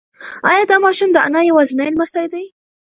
ایا دا ماشوم د انا یوازینی لمسی دی؟